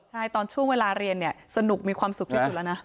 ใช่ตอนช่วงเวลาเรียนเนี่ยสนุกมีความสุขที่สุดแล้วนะ